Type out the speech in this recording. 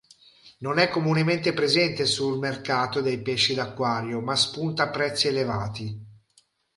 Non è comunemente presente sul mercato dei pesci d'acquario ma spunta prezzi elevati.